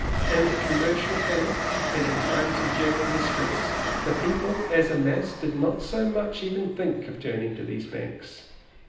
In commercial panics, and in times of general distress, the people as a mass did not so much as even think of turning to these banks.